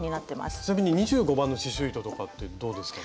ちなみに２５番の刺しゅう糸とかってどうですかね？